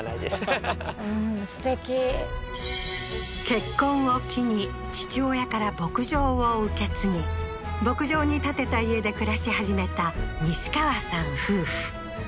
はっうんすてき結婚を機に父親から牧場を受け継ぎ牧場に建てた家で暮らし始めた西川さん夫婦